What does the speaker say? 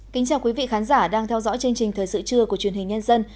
chào mừng quý vị đến với bộ phim thời sự trưa của chuyên hình nhân dân